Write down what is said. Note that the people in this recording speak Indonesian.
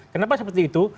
kenapa seperti itu